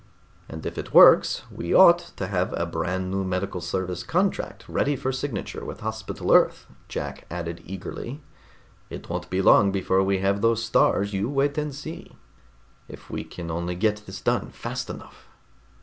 "And if it works we ought to have a brand new medical service contract ready for signature with Hospital Earth," Jack added eagerly. "It won't be long before we have those Stars, you wait and see! If we can only get this done fast enough."